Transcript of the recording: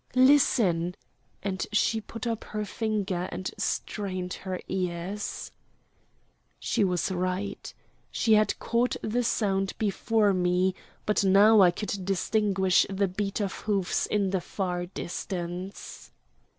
"Listen!" and she put up her finger and strained her ears. She was right. She had caught the sound before me; but now I could distinguish the beat of hoofs in the far distance.